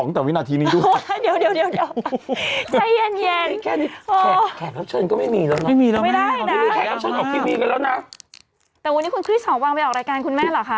แต่วันนี้คุณคริสสองวังไปออกรายการคุณแม่เหรอคะ